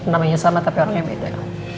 namanya sama tapi harusnya beda